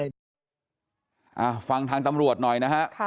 ฟังทางตำรวจหน่อยนะฮะ